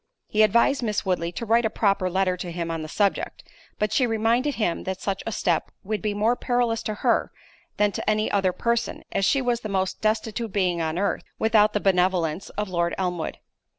He advised Miss Woodley to write a proper letter to him on the subject; but she reminded him that such a step would be more perilous to her, than to any other person, as she was the most destitute being on earth, without the benevolence of Lord Elmwood.